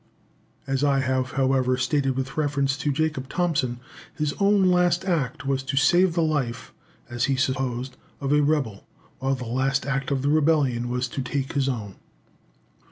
As I have, however, stated with reference to Jacob Thompson, his own last act was to save the life, as he supposed, of a rebel, while the last act of the rebellion was to take his own.